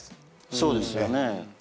そうですよね。